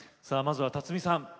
さあまずは辰巳さん